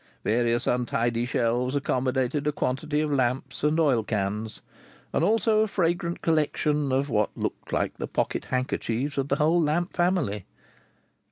Various untidy shelves accommodated a quantity of lamps and oil cans, and also a fragrant collection of what looked like the pocket handkerchiefs of the whole lamp family.